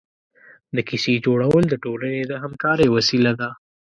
د کیسې جوړول د ټولنې د همکارۍ وسیله ده.